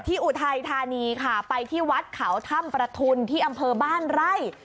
อุทัยธานีค่ะไปที่วัดเขาถ้ำประทุนที่อำเภอบ้านไร่